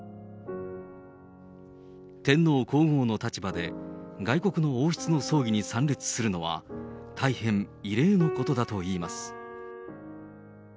天皇皇后の立場で外国の王室の葬儀に参列するのは、大変異例のことだといいます。